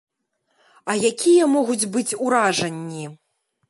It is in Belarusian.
А якія могуць быць уражанні?